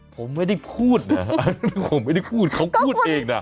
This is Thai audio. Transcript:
ผมไม่ได้พูดนะผมไม่ได้พูดเขาพูดเองนะ